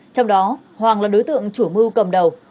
trong đó hoàng là đối tượng chủ mưu cầm đầu